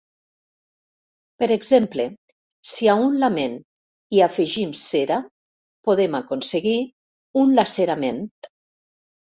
Per exemple si a un «lament» hi afegim «cera» podem aconseguir un «laCERAment».